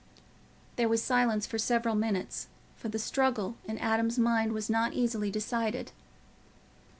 There was silence for several minutes, for the struggle in Adam's mind was not easily decided.